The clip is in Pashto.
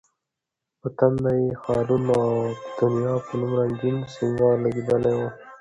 په ټنډه یې خالونه، او د دڼیو په نوم رنګین سینګار لګېدلی و.